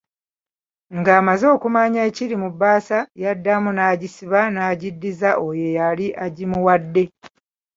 Ng’amaze okumanya ekiri mu bbaasa yaddamu n'agisiba n'agiddiza oyo eyali agimuwadde.